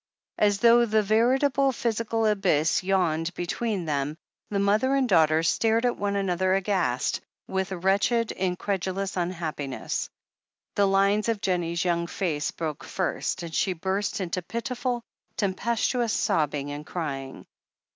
As though a veritable physical abyss yawned between them, the mother and daughter stared at one another aghast, with wretched, incredulous imhappiness. The lines of Jennie's young face broke first, and she burst into pitiful, tempestuous sobbing and crying.